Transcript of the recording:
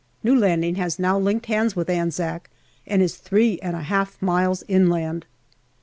New landing has now linked hands with Anzac, and is three and a half miles inland.